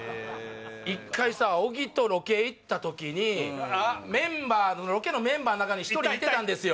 １回さ小木とロケ行った時にロケのメンバーの中に１人いてたんですよ